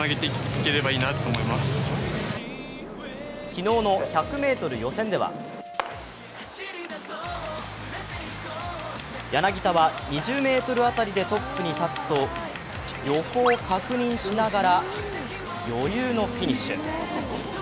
昨日の１００ｍ予選では柳田は２０ｍあたりでトップに立つと横を確認しながら、余裕のフィニッシュ。